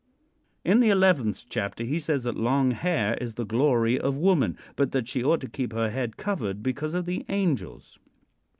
In the eleventh chapter he says that long hair is the glory of woman, but that she ought to keep her head covered because of the angels.